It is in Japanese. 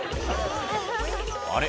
「あれ？